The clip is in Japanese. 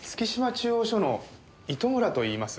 中央署の糸村といいます。